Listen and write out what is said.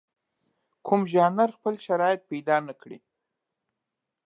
کوم ژانر خپل شرایط پیدا نکړي.